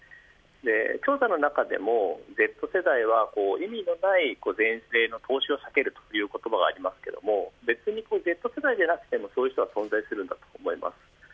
調査の中でもＺ世代は意味のない前例の踏襲を避けるということもありますがＺ世代でなくてもそういう人は存在していると思います。